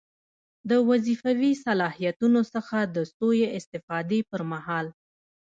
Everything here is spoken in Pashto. له وظیفوي صلاحیتونو څخه د سوء استفادې پر مهال.